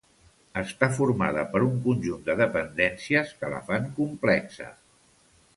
Està formada per un conjunt de dependències que la fan complexa.